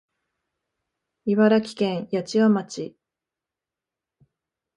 茨城県八千代町